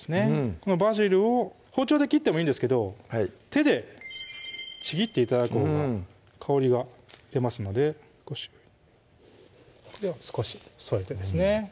このバジルを包丁で切ってもいいんですけど手でちぎって頂くほうが香りが出ますのでこれを少し添えてですね